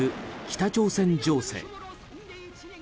北朝鮮情勢。